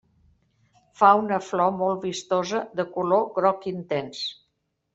Fa una flor molt vistosa de color groc intens.